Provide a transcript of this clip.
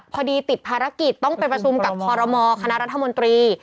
พอดีติดภารกิจต้องไปประชุมกับคอรมอคณะรัฐมนตรี